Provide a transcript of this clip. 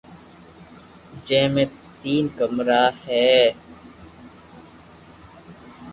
جي مي تين ڪمرا ھي